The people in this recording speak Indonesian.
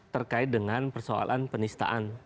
terkait dengan persoalan penistaan